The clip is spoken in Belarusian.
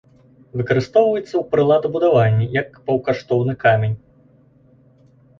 Выкарыстоўваецца ў прыладабудаванні, як паўкаштоўны камень.